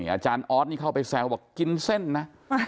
อาจารย์ออสนี่เข้าไปแซวบอกกินเส้นนะ